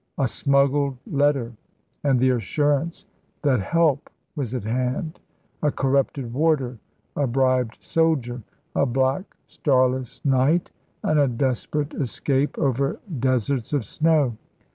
A smuggled letter, and the assurance that help was at hand; a corrupted warder, a bribed soldier, a black starless night, and a desperate escape over deserts of snow.